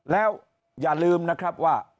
แล้วอย่าลืมนะครับว่า